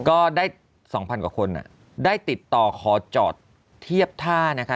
ได้๒๐๐กว่าคนได้ติดต่อขอจอดเทียบท่านะคะ